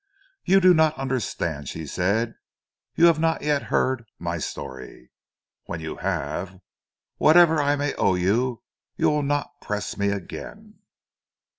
"You do not understand," she said, "you have not yet heard my story. When you have, whatever I may owe you, you will not press me again."